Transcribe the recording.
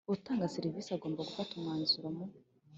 Utanga serivisi agomba gufata umwanzuro mu